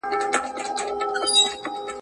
د قالینو صنعت زموږ ویاړ دی.